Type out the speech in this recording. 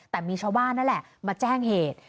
แต่มีชาวบ้านนั่นแหละมาแจ้งเหตุ